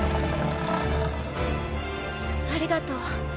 ありがとう。